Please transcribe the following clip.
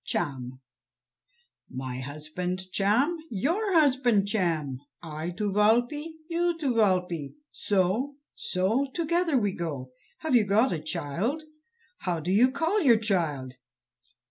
"Cham." "My husband Cham, your husband Cham; I to Walpe, you to Walpe; so, so, together we go." "Have you got a child? How do you call your child?"